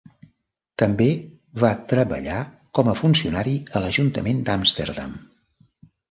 També va treballar com a funcionari a l'Ajuntament d'Amsterdam.